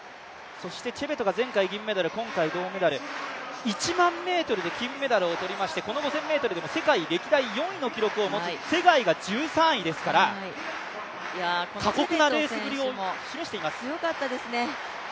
チェベトが前回銀メダル、今回銅メダル１００００ｍで金メダルを取りましてこの５０００ｍでも世界歴代４位の記録を持つ、ツェガイが１３位ですから、過酷なレースぶりを示しています。